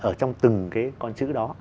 ở trong từng cái con chữ đó